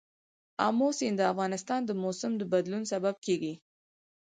آمو سیند د افغانستان د موسم د بدلون سبب کېږي.